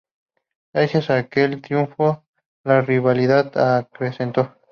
Gracias a aquel triunfo la rivalidad acrecentó.